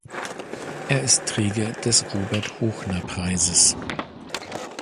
Er ist Träger des Robert-Hochner-Preises.